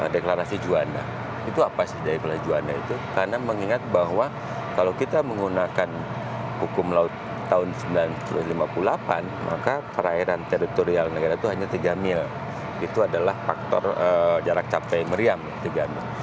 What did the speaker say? deklarasi juanda itu apa sih dari pelajuannya itu karena mengingat bahwa kalau kita menggunakan hukum laut tahun seribu sembilan ratus lima puluh delapan maka perairan teritorial negara itu hanya tiga mil itu adalah faktor jarak capai meriam di ganda